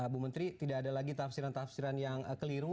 bu menteri tidak ada lagi tafsiran tafsiran yang keliru